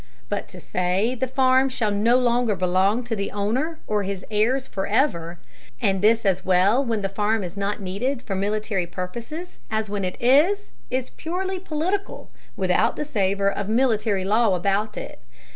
But to say the farm shall no longer belong to the owner or his heirs forever, and this as well when the farm is not needed for military purposes as when it is, is purely political, without the savor of military law about it.